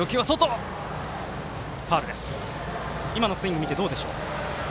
今のスイング見てどうでしょう？